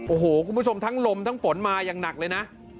โอ้โหคุณผู้ชมทั้งลมทั้งฝนมาอย่างหนักเลยนะ